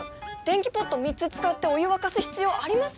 電気ポット３つ使ってお湯沸かす必要あります？